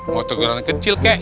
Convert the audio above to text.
mau teguran kecil kek